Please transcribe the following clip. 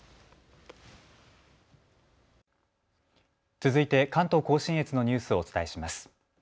続いて関東甲信越のニュースをお伝えします。